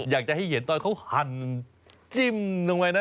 อยากจะให้เห็นตอนเขาหั่นจิ้มลงไปนะ